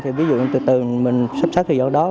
thì ví dụ từ từ mình sắp xếp thời gian đó